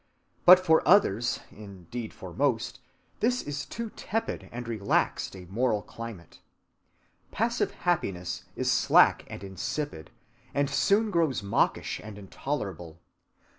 But for others (indeed for most), this is too tepid and relaxed a moral climate. Passive happiness is slack and insipid, and soon grows mawkish and intolerable.